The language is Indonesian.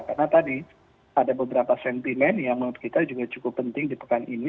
karena tadi ada beberapa sentimen yang menurut kita juga cukup penting di pekan ini